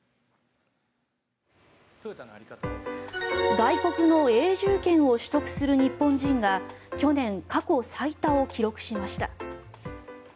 外国の永住権を取得する日本人が去年、過去最多を記録しました。